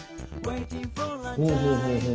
ほうほうほうほう。